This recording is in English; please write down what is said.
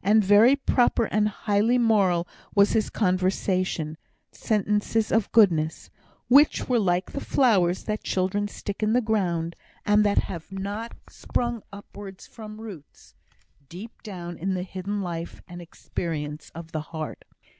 And very proper and highly moral was his conversation; set sentences of goodness, which were like the flowers that children stick in the ground, and that have not sprung upwards from roots deep down in the hidden life and experience of the heart.